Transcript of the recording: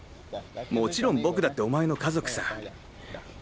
もちろん僕だってお前の家族さ。